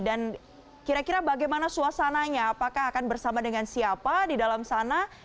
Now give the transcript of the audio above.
dan kira kira bagaimana suasananya apakah akan bersama dengan siapa di dalam sana